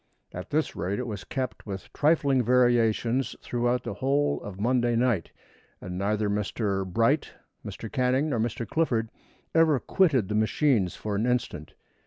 At this rate it was kept with trifling variations throughout the whole of Monday night, and neither Mr. Bright, Mr. Canning, nor Mr. Clifford ever quitted the machines for an instant.